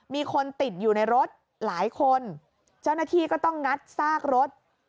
มีคนติดอยู่ในรถหลายคนเจ้าหน้าที่ก็ต้องงัดซากรถ